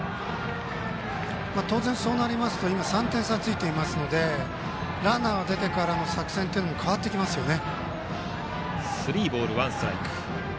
当然そうなると今３点差がついていますからランナーが出てからの作戦というのも変わってきますよね。